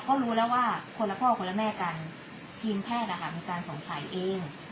เพราะรู้แล้วว่าคนละพ่อคนละแม่กันทีมแพทย์นะคะมีการสงสัยเอง